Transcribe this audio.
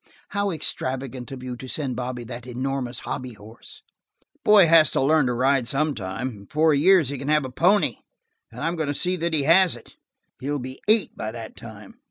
"How extravagant of you to send Bobby that enormous hobby horse!" "The boy has to learn to ride sometime. In four years he can have a pony, and I'm going to see that he has it. He'll be eight by that time."